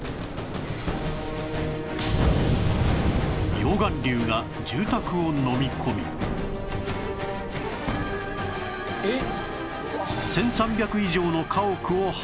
溶岩流が住宅をのみ込みえっ！？